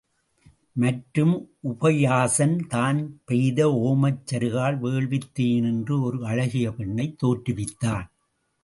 மற்றும் உபயாசன் தான் பெய்த ஒமச்சருகால் வேள்வித் தீயினின்று ஒரு அழகிய பெண்ணைத் தோற்றுவித்தான்.